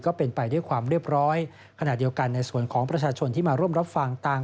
ก็เป็นไปด้วยความเรียบร้อยขณะเดียวกันในส่วนของประชาชนที่มาร่วมรับฟังต่าง